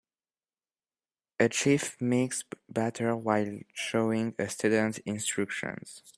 A chef mixes batter while showing a student instructions.